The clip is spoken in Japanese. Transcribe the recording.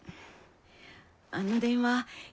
あの電話